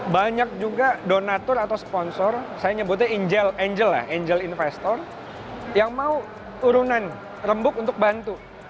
banyak juga donatur atau sponsor saya nyebutnya angel lah angel investor yang mau turunan rembuk untuk bantu